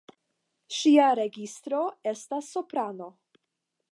Ŝia registro estas soprano.